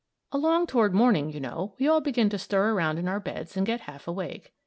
Along toward morning, you know, we all begin to stir around in our beds and get half awake.